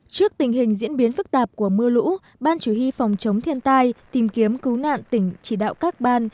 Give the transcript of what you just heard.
trước tình hình diễn biến phức tạp của mưa lũ ban chủ y phòng chống thiên tai tìm kiếm cứu nạn tỉnh chỉ đạo các ban